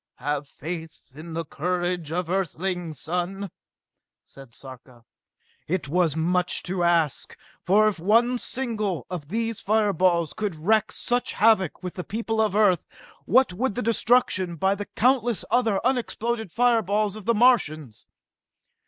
"Have faith in the courage of Earthlings, son!" said Sarka. It was much to ask, for if one single one of these fire balls could wreak such havoc with the people of Earth, what would be the destruction by the countless other unexploded fireballs of the Martians?